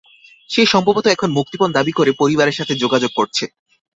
সে সম্ভবত এখন মুক্তিপণ দাবি করে পরিবারের সাথে যোগাযোগ করছে।